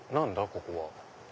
ここは。